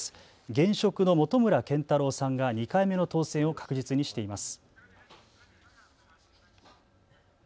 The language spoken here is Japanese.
現職の本村賢太郎さんが２回目の当選を確実にしています。